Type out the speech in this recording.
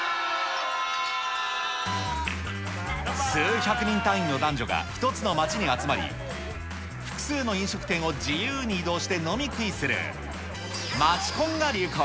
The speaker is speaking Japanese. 数百人単位の男女が一つの街に集まり、複数の飲食店を自由に移動して飲み食いする街コンが流行。